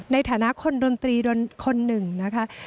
ในฐานะคนดนตรีคนหนึ่งนะคะ